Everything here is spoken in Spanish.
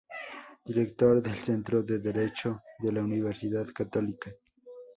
Director del Centro de Derecho de la Universidad Católica.